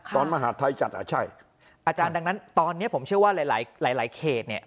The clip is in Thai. ตอนมหาธัยจัดอ่ะใช่อาจารย์ดังนั้นตอนเนี้ยผมเชื่อว่าหลายหลายหลายหลายเขตเนี้ย